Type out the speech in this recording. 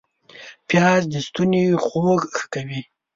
پیاز د ستوني خوږ ښه کوي